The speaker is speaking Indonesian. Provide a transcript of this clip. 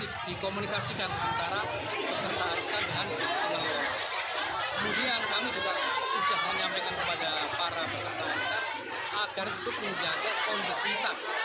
kita harus berkomunikasi dengan antara peserta arisan dan kemudian kami juga sudah menyampaikan kepada para peserta arisan agar itu menjaga kondisitas